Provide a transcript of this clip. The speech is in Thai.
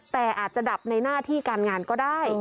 แต่อาจจะดับในหน้าที่การงานก็ได้